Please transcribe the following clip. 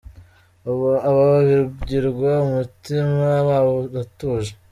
Ubu aba bibagirwa umutima wabo uratuje ?